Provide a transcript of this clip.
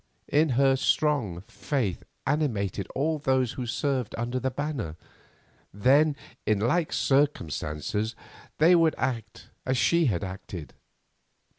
If her strong faith animated all those who served under that banner, then in like circumstances they would act as she had acted.